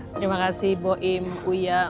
terima kasih ibu im uya